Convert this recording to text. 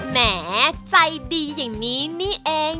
แหมใจดีอย่างนี้นี่เอง